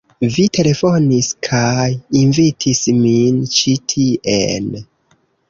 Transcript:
Vi telefonis kaj invitis min ĉi tien.